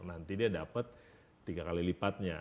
nanti dia dapat tiga kali lipatnya